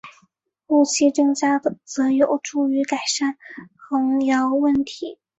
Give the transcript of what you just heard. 后期增加的则有助于改善横摇问题。